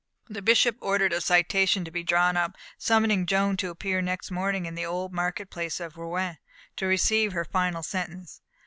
The bishop ordered a citation to be drawn up, summoning Joan to appear next morning in the Old Market Place of Rouen, to receive her final sentence.